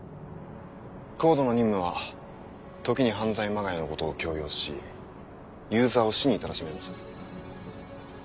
ＣＯＤＥの任務は時に犯罪まがいのことを強要しユーザーを死に至らしめます。